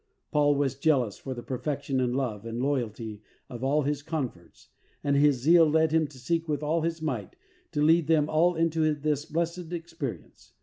Paul was jealous for the perfection in love and loyalty of all his converts, and his zeal led him to seek with all his might to lead them all into this blessed experience.